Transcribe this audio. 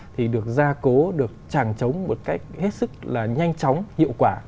thì được gia cố được tràng trống một cách hết sức là nhanh chóng hiệu quả